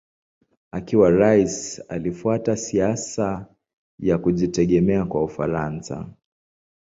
Akiwa rais alifuata siasa ya kujitegemea kwa Ufaransa.